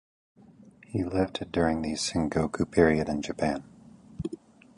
He lived during the Sengoku period in Japan.